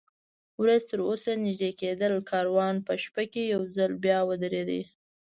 ورېځ تراوسه نږدې کېدل، کاروان په شپه کې یو ځل بیا ودرېد.